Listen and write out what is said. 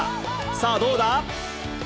さあ、どうだ？